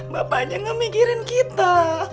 bapak aja ga mikirin kita